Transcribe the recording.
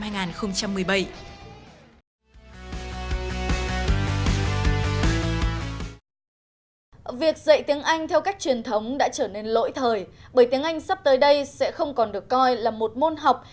việc dạy tiếng anh theo cách truyền thống đã trở nên lỗi thời bởi tiếng anh sắp tới đây sẽ không còn được coi là một môn học